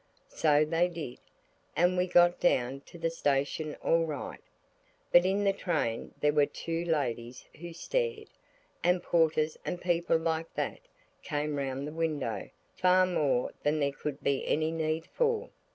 So they did. And we got down to the station all right. But in the train there were two ladies who stared, and porters and people like that came round the window far more than there could be any need for.